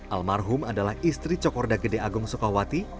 almarhum adalah istri cokorda gede agung sukawati